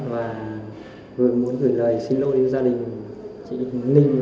và vừa muốn gửi lời xin lỗi đến gia đình chị ninh